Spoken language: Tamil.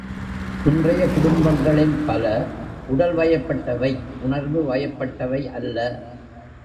இன்றைய குடும்பங்களில் பல, உடல் வயப்பட்டவை உணர்வுவயப்பட்டவை அல்ல.